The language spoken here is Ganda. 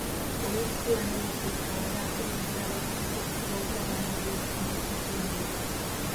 Oweekitiibwa Nelson Kawalya akubirizza abavubuka okufuba okulaba nga beekuuma mukenenya.